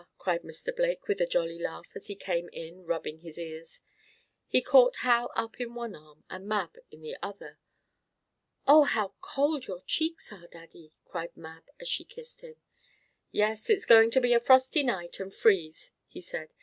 cried Mr. Blake, with a jolly laugh, as he came in rubbing his ears. He caught Hal up in one arm, and Mab in the other. "Oh, how cold your cheeks are, Daddy!" cried Mab as she kissed him. "Yes, it is going to be a frosty night, and freeze," he said.